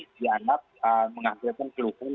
dianap mengambilkan keluhan